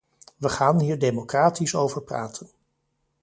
We gaan hier democratisch over praten.